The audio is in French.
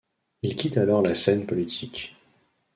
Il quitte alors la scène politique.